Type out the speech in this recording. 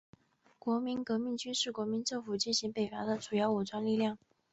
国民革命军是国民政府进行北伐的主要武装力量。